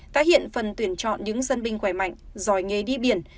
tái hiện phần tuyển chọn những dân binh khỏe mạnh giỏi nghề đi biển